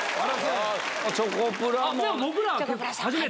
チョコプラも。